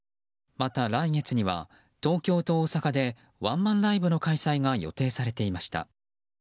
また、来月には東京と大阪でワンマンライブの開催が予定されていました。